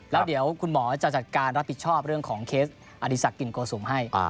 แล้วเดี๋ยวคุณหมอจะจัดการรับผิดชอบเรื่องของเคสอดีศักดิกินโกสุมให้